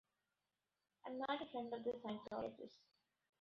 I'm not a friend of the Scientologists.